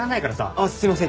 あっすいません。